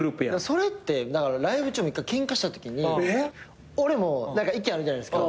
それってライブ中も一回ケンカしたときに俺も意見あるじゃないですか。